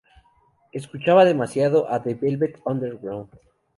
Escuchaba demasiado a The Velvet Underground.